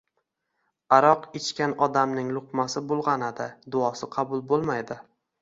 Aroq ichgan odamning luqmasi bulg‘anadi, duosi qabul bo‘lmaydi.